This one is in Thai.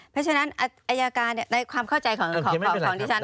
เพราะฉะนั้นอายการในความเข้าใจของดิฉัน